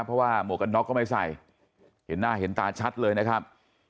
เพราะว่าหมวกกันน็อกก็ไม่ใส่เห็นหน้าเห็นตาชัดเลยนะครับ